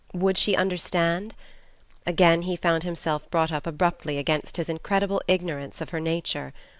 Would she understand? Again he found himself brought up abruptly against his incredible ignorance of her nature.